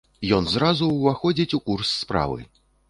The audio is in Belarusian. Ён зразу ўваходзіць у курс справы.